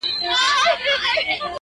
بس ده ژړا مه كوه مړ به مي كړې;